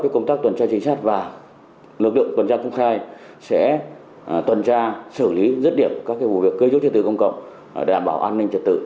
công tác tuẩn tra vũ trang đảm bảo an ninh trật tự ở các khu dân cư